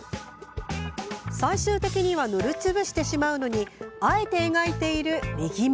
最終的には塗りつぶしてしまうのにあえて描いている右目。